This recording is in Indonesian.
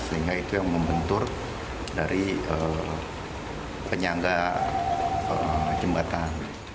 sehingga itu yang membentur dari penyangga jembatan